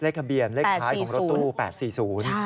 เลขทะเบียนเลขคล้ายของรถตู้๘๔๐